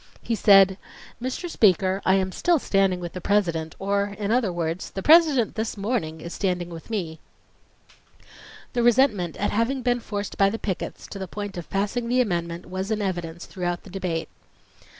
He said: "Mr. Speaker, I am still 'standing with the President,' or, in other words, the President this morning is standing with me." The resentment at having been forced by the pickets to the point of passing the amendment was in evidence throughout the debate.